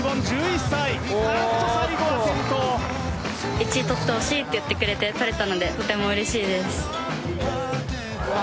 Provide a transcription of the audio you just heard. １位とってほしいっていってくれてとれたのでとてもうれしいです。